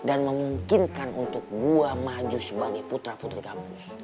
dan memungkinkan untuk gue maju sebagai putra putri kampus